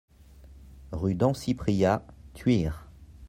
Rue d'en Cypria, Thuir